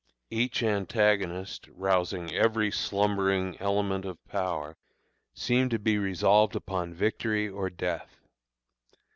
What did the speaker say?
Each antagonist, rousing every slumbering element of power, seemed to be resolved upon victory or death.